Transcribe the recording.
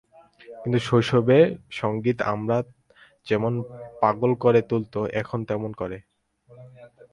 কিন্তু শৈশবে সংগীত আমায় যেমন পাগল করে তুলত, এখনো তেমনি করে।